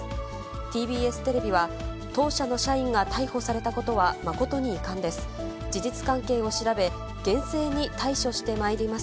ＴＢＳテレビは当社の社員が逮捕されたことは、誠に遺憾です。